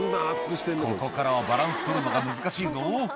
「ここからはバランス取るのが難しいぞ」